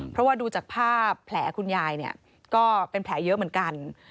เพราะว่าดูจากภาพแผลคุณยายเนี่ยก็เป็นแผลเยอะเหมือนกัน